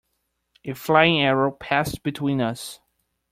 A flying arrow passed between us.